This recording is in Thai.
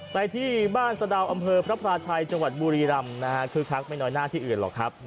ไปที่บ้านสะดาวอำเภอพระพลาชัยจังหวัดบุรีรำนะฮะคึกคักไม่น้อยหน้าที่อื่นหรอกครับ